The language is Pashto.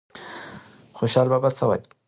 خوشال بابا څه وایي؟